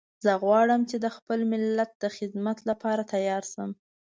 زه غواړم چې د خپل ملت د خدمت لپاره تیار شم